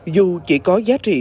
dù chỉ có giá trị